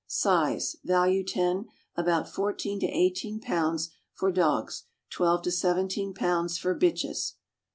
Size (value 10) about fourteen to eighteen pounds for dogs; twelve to seventeen pounds for bitches.